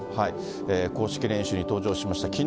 公式練習に登場しました。